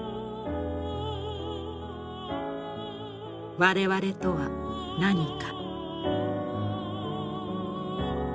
我々とは何か。